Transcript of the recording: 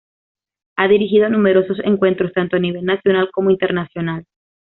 Ha dirigido numerosos encuentros tanto a nivel nacional como internacional.